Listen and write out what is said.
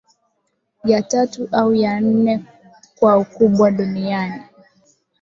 Ya tatu au ya nne kwa ukubwa duniani